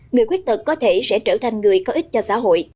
người khuyết tật có thể sẽ trở thành người có ích cho xã hội